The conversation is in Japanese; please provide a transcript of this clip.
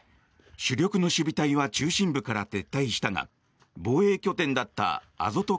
主力の守備隊は中心部から撤退したが防衛拠点だったアゾト